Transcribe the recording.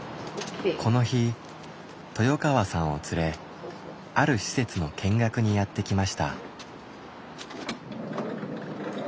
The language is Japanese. この日豊川さんを連れある施設の見学にやって来ました。